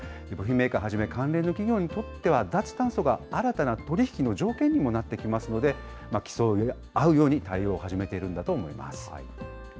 部品メーカーはじめ、関連の企業にとっては、脱炭素が新たな取り引きの条件にもなってきますので、競い合うように対応を始めているんだと思います。